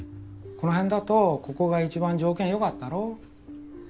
この辺だとここが一番条件良かったろ？